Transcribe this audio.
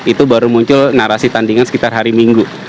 itu baru muncul narasi tandingan sekitar hari minggu